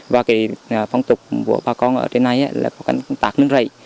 và phong tục của bà con ở trên này là tạc nướng rầy